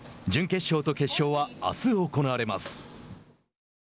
準決勝と決勝は、あす行われます。